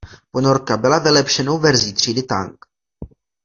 Ponorka byla vylepšenou verzí třídy "Tang".